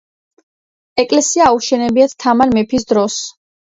ეკლესია აუშენებიათ თამარ მეფის დროს.